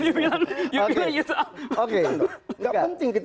tidak penting kita